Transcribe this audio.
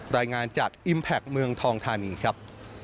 รายงานจากอิมแพคเมืองทองธานีครับ